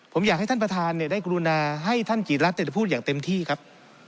ผมอยากให้ท่านประธานได้กรุณาให้ท่านกิจรัฐพูดอย่างเต็มที่ครับ